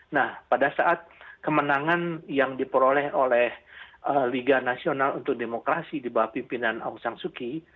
nah pada saat kemenangan yang diperoleh oleh liga nasional untuk demokrasi di bawah pimpinan aung san suu kyi